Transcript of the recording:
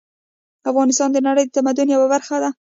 افغانستان د نړۍ د تمدن یوه برخه وه